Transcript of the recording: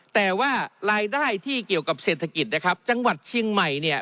แต่ว่ารายได้ที่เกี่ยวกับเศรษฐกิจนะครับจังหวัดเชียงใหม่เนี่ย